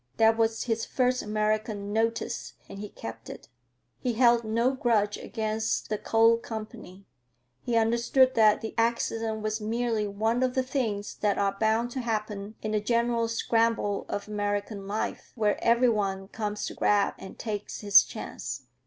That was his first American "notice"; and he kept it. He held no grudge against the coal company; he understood that the accident was merely one of the things that are bound to happen in the general scramble of American life, where every one comes to grab and takes his chance.